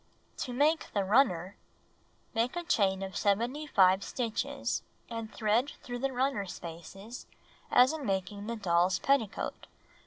To Make the Runner Make a chain of 75 stitches, and thread through the runner spaces as in making the doll's petticoat.